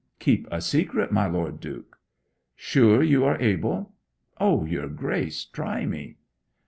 'Keep a secret, my Lord Duke!' 'Sure you are able?' 'O, your Grace, try me!'